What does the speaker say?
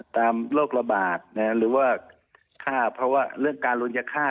โรคระบาดหรือว่าฆ่าเพราะว่าเรื่องการลุนจะฆ่า